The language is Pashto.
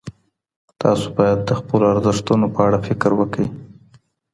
تاسو باید د خپلو ارزښتونو په اړه فکر وکړئ.